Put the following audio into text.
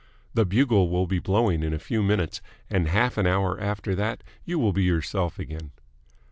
The bugle will be blowing in a few minutes, and half an hour after that you will be yourself again."